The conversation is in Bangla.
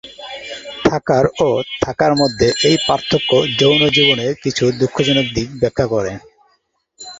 থাকার ও থাকার মধ্যে এই পার্থক্য যৌন জীবনের কিছু দুঃখজনক দিক ব্যাখ্যা করে।